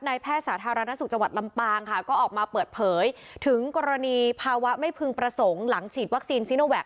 แพทย์สาธารณสุขจังหวัดลำปางค่ะก็ออกมาเปิดเผยถึงกรณีภาวะไม่พึงประสงค์หลังฉีดวัคซีนซีโนแวค